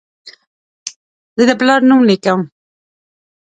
زه د پلار نوم لیکم.